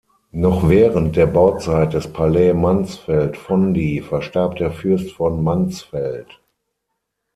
Noch während der Bauzeit des Palais Mansfeld-Fondi verstarb der Fürst von Mansfeld.